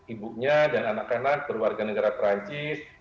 ibunya dan anak anak berwarga negara perancis